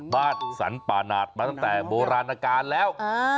บ้านสรรป่าหนาดมาตั้งแต่โบราณการแล้ว